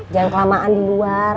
jangan kelamaan di luar